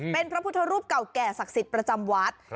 เป็นพระพุทธรูปเก่าแก่ศักดิ์สิทธิ์ประจำวัด